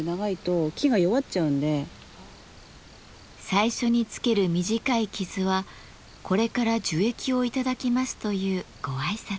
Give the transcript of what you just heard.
最初につける短い傷はこれから樹液を頂きますというご挨拶。